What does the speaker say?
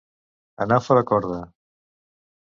Anar fora corda.